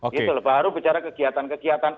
gitu loh baru bicara kegiatan kegiatan